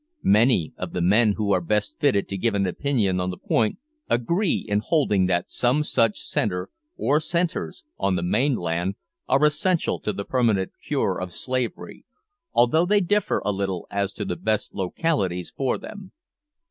Many of the men who are best fitted to give an opinion on the point agree in holding that some such centre, or centres, on the mainland are essential to the permanent cure of slavery, although they differ a little as to the best localities for them.